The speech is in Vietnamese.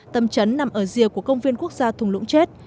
tầm trấn nằm ở rìa của công viên quốc gia thùng lũng chết